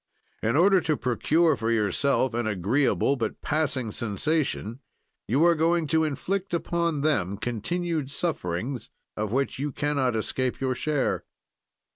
"'In order to procure for yourself an agreeable but passing sensation you are going to inflict upon them continued sufferings, of which you can not escape your share.'